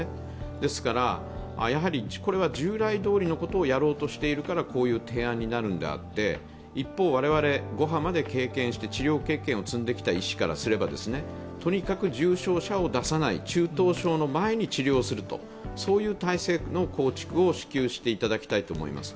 ですから、従来どおりのことをやろうとしているからこういう提案になるのであって一方、我々、５波まで経験して、治療経験を積んできた医師からすれば、とにかく重症者を出さない、中等症の前に治療すると、そういう体制の構築を至急していただきたいと思います。